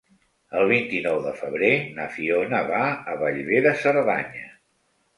El vint-i-nou de febrer na Fiona va a Bellver de Cerdanya.